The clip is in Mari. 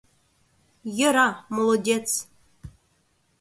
— Йӧра, молодец!